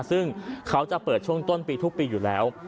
ซึ่งเขาจะเปิดช่วงต้นปีทุกปีอยู่แล้ว